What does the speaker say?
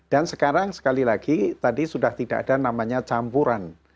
dan sekarang sekali lagi tadi sudah tidak ada namanya campuran